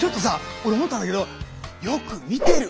俺思ったんだけどよく見てる。